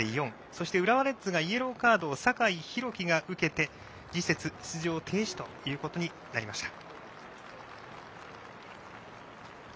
そして浦和レッズがイエローカードを酒井宏樹が受けて次節出場停止ということになりました。